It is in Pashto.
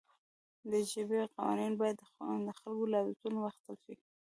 د ژبې قوانین باید د خلکو له عادتونو واخیستل شي.